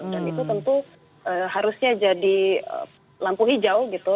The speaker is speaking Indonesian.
dan itu tentu harusnya jadi lampu hijau gitu